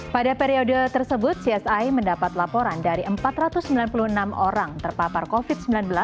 pada periode tersebut csi mendapat laporan dari empat ratus sembilan puluh enam orang terpapar covid sembilan belas